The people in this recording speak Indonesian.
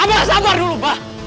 abah sabar dulu abah